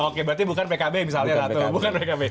oke berarti bukan pkb misalnya